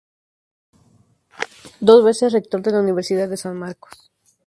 Dos veces rector de la Universidad de San Marcos.